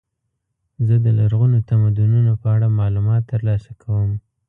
زه د لرغونو تمدنونو په اړه معلومات ترلاسه کوم.